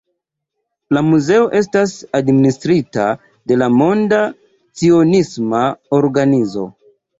La muzeo estas administrita de la Monda Cionisma Organizo.